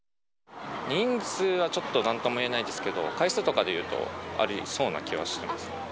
人数はちょっとなんとも言えないですけど、回数とかでいうと、ありそうな気はしました。